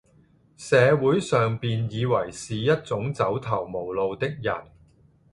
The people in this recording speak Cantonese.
社會上便以爲是一種走投無路的人，